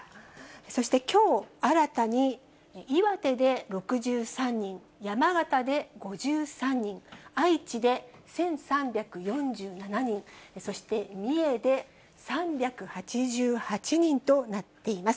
そして、きょう新たに岩手で６３人、山形で５３人、愛知で１３４７人、そして、三重で３８８人となっています。